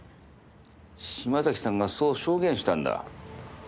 島崎さんがそう証言したんだ。